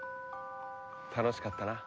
楽しかったな。